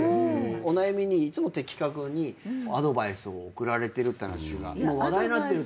お悩みにいつも的確にアドバイスを送られてるって話が。